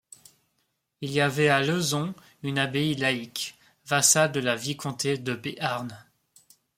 Il y avait à Lezons une abbaye laïque, vassale de la vicomté de Béarn.